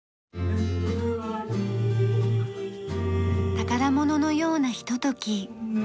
宝物のようなひととき。